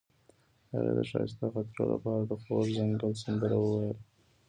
هغې د ښایسته خاطرو لپاره د خوږ ځنګل سندره ویله.